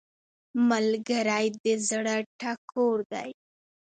ملګری د زړه ټکور دی